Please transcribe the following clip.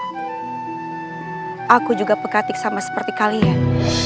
gusti ratu aku juga pekatik sama seperti kalian